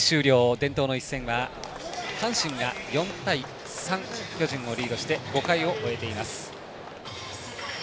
伝統の一戦は阪神が４対３巨人をリードして５回を終えています。